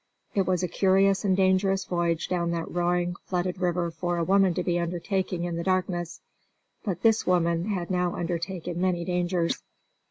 It was a curious and dangerous voyage down that roaring, flooded river for a woman to be undertaking in the darkness, but this woman had now undertaken many dangers.